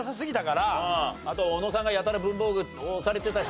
あと小野さんがやたら文房具推されてたしね。